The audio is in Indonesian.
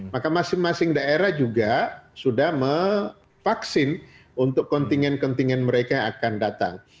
maka masing masing daerah juga sudah mevaksin untuk kontingen kontingen mereka yang akan datang